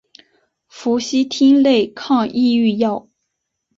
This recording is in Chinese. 氟西汀类抗抑郁药。